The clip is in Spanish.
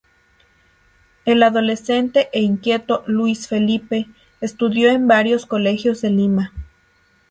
El adolescente e inquieto Luis Felipe estudió en varios colegios de Lima.